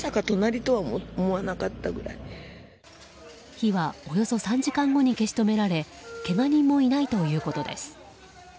火はおよそ３時間後に消し止められけが人もいないということです。